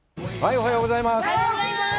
おはようございます！